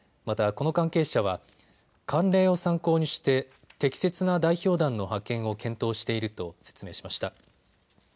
またこの関係者は慣例を参考にして適切な代表団の派遣を検討していると説明しました。